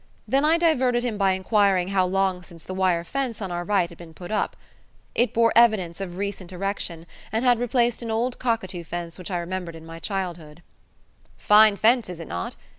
Then I diverted him by inquiring how long since the wire fence on our right had been put up. It bore evidence of recent erection, and had replaced an old cockatoo fence which I remembered in my childhood. "Fine fence, is it not?